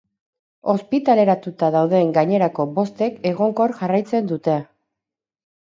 Ospitaleratuta dauden gainerako bostek egonkor jarraitzen dute.